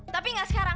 tapi nggak sekarang